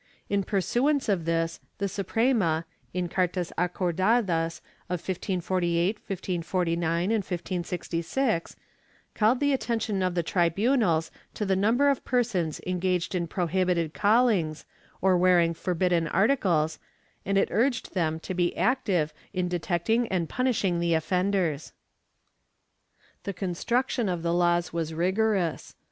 In pursuance of this the Suprema, in cartas acordadas of 1548, 1549 and 1566, called the attention of the tribunals to the number of persons engaged in prohibited callings or wearing forbidden articles, and it urged them to be active in detecting and punishing the offenders.^ The construction of the laws was rigorous.